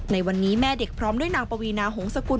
ในวันนี้แม่เด็กพร้อมด้วยนางปวีนาหงษกุล